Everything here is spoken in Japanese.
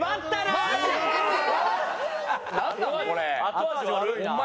後味悪いな。